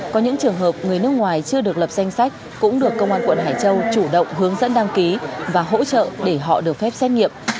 có những trường hợp người nước ngoài chưa được lập danh sách cũng được công an quận hải châu chủ động hướng dẫn đăng ký và hỗ trợ để họ được phép xét nghiệm